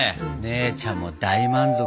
姉ちゃんも大満足。